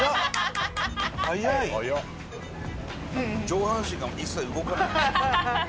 上半身が一切動かない。